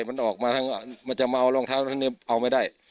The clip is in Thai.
มันออกมามันจะเมารองเท้าทั้งนี้เอาไม่ได้